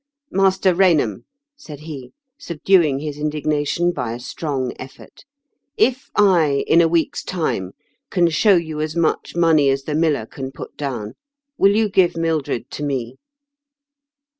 " Master Kainham," said he, subduing his indignation by a strong efibrt, " if I, in a week's time, can show you as much money as the miller can put down, will you give Mildred to me